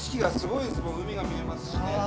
海が見えますしね。